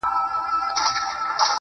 زه دي د دريم ژوند پر زوال ږغېږم,